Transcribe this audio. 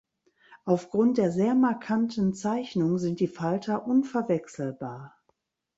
Aufgrund der sehr markanten Zeichnung sind die Falter unverwechselbar.